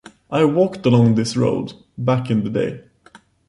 I walked along this road, back in the day.